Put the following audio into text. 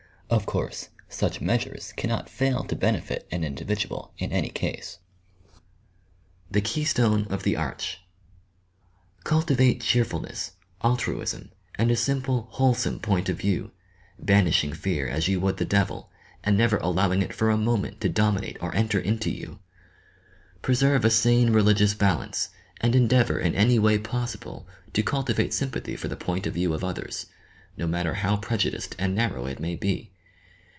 Of course such measures can not fail to benefit an individual in any case. THE KEYSTONE OF THE ARCH Cultivate cheerfulness, altruism, and a simple, whole some point of view, — banishing fear as you would the Devil, and never allowing it for a moment to dominate or enter into youl Preserve a sane religious balance, 20 YOUR PSYCHIC POWERS and endeavour in every way possible to cultivate sym pathy for the point of view of others, no matter how prejudiced and narrow it may be.